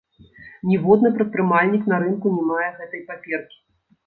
Ніводны прадпрымальнік на рынку не мае гэтай паперкі.